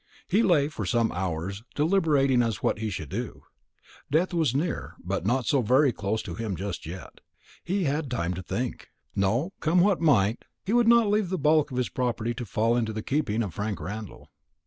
He lay for some hours deliberating as to what he should do. Death was near, but not so very close to him just yet. He had time to think. No, come what might, he would not leave the bulk of his property to fall into the keeping of Frank Randall.